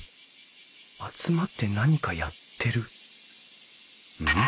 集まって何かやってる？